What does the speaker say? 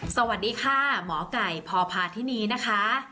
สวัสดีค่ะหมอไก่พพาธินีนะคะ